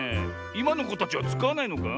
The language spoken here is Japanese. いまのこたちはつかわないのか？